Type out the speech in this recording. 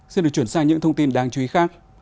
xin được chuyển sang những thông tin đáng chú ý khác